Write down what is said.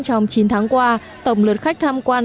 trong chín tháng qua tổng lượt khách tham quan